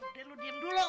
udah lu diem dulu